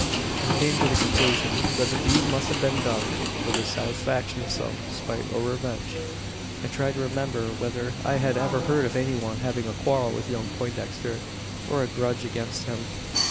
"I came to the conclusion: that the deed must have been done for the satisfaction of some spite or revenge; and I tried to remember whether I had ever heard of any one having a quarrel with young Poindexter, or a grudge against him.